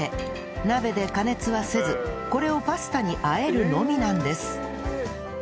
鍋で加熱はせずこれをパスタに和えるのみなんです